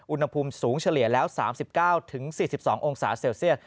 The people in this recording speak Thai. อุณหภูมิสูงเฉลี่ยแล้ว๓๙๔๒องศาเซลเซียส